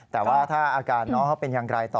แต่ว่าถ้าอาการน้องเขาเป็นอย่างไรต่อ